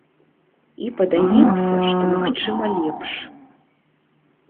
І падаецца, што магчыма лепш.